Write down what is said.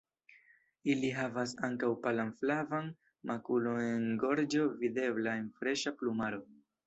Ili havas ankaŭ palan flavan makulon en gorĝo videbla en freŝa plumaro.